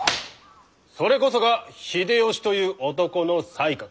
それこそが秀吉という男の才覚。